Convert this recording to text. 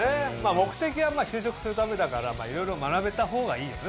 目的は就職するためだからいろいろ学べたほうがいいよね。